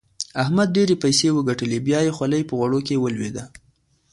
احمد ډېرې پيسې وګټلې؛ بيا يې خولۍ په غوړو کې ولوېده.